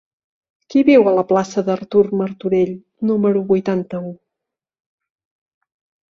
Qui viu a la plaça d'Artur Martorell número vuitanta-u?